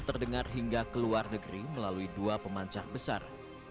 terdengar hingga ke luar negeri melalui dua pemancar besar